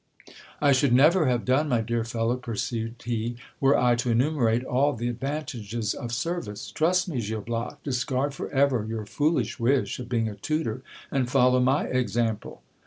« I should never have done, my dear fellow, pursued he, were I to enumerate all the advantages of service. Trust me, Gil Bias, discard for ever your foolish wish of being a tutor, and follow my example.